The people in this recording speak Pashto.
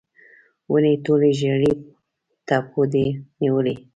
ونې ټوله ژړۍ تبو دي نیولې